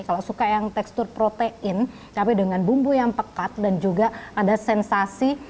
kalau suka yang tekstur protein cabai dengan bumbu yang pekat dan juga ada sensasi